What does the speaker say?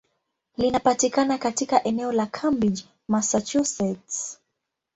Linapatikana katika eneo la Cambridge, Massachusetts.